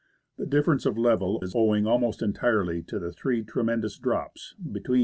The difference of level is owing almost entirely to the three tremendous drops, between which Mount Malaspina.